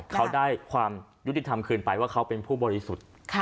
เขาได้ความยุติธรรมคืนไปว่าเขาเป็นผู้บริสุทธิ์